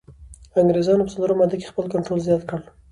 انګریزانو په څلورمه ماده کي خپل کنټرول زیات کړ.